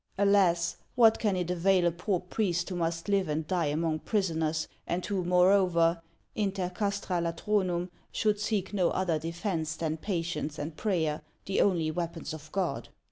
Alas ! what can it avail a poor priest who must live and die among prisoners, and who, moreover, inter castra latro num, should seek no other defence than patience and prayer, the only weapons of God